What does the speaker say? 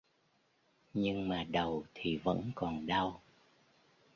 Nhưng mà đầu thì vẫn còn đau